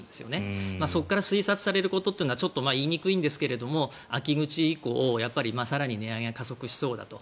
そこから推察されることは言いにくいですが、秋口以降更に値上げが加速しそうだと。